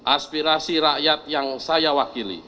aspirasi rakyat yang saya wakili